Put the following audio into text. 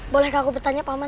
boleh kakak bertanya paman